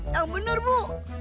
yang bener bu